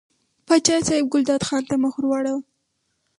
پاچا صاحب ګلداد خان ته مخ ور واړاوه.